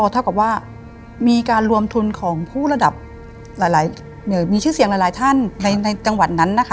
เท่ากับว่ามีการรวมทุนของผู้ระดับมีชื่อเสียงหลายท่านในจังหวัดนั้นนะคะ